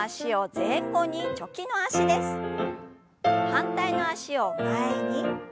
反対の脚を前に。